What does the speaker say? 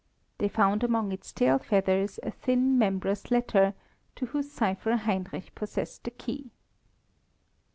They found among its tail feathers a thin membrous letter, to whose cipher Heinrich possessed the key.